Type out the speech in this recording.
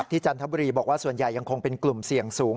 จันทบุรีบอกว่าส่วนใหญ่ยังคงเป็นกลุ่มเสี่ยงสูง